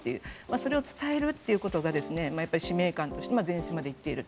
それを伝えるということが使命感として前線まで行っていると。